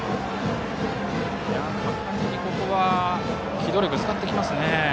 果敢にここは機動力を使ってきますね。